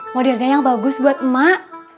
modernnya yang bagus buat mak